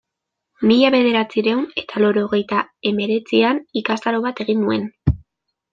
Mila bederatziehun eta laurogeita hemeretzian ikastaro bat egin nuen.